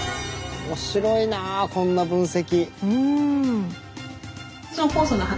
面白いなこんな分析。